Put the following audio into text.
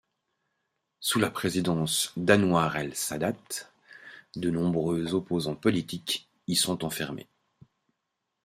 Sous la présidence d'Anouar el-Sadate, de nombreux opposants politiques y sont enfermés.